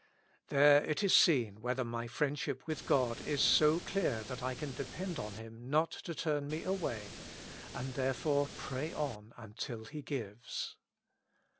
There it is seen whether my friendship with God is so clear that I can depend on Him not to turn me away, and therefore pray on until He gives.